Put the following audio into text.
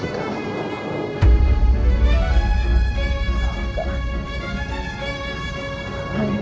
tidak akan berhasil